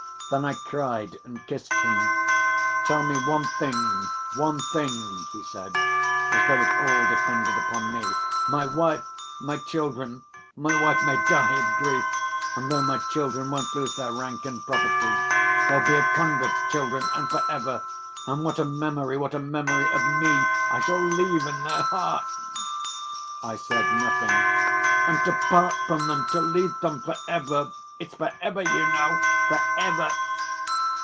Then I cried and kissed him. "Tell me one thing, one thing," he said (as though it all depended upon me), "my wife, my children! My wife may die of grief, and though my children won't lose their rank and property, they'll be a convict's children and for ever! And what a memory, what a memory of me I shall leave in their hearts!" I said nothing. "And to part from them, to leave them for ever? It's for ever, you know, for ever!"